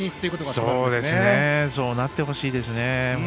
そうなってほしいですね。